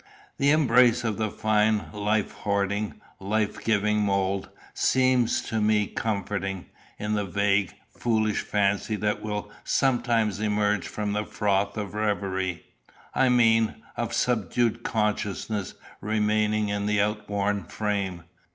The embrace of the fine life hoarding, life giving mould, seems to me comforting, in the vague, foolish fancy that will sometimes emerge from the froth of reverie I mean, of subdued consciousness remaining in the outworn frame.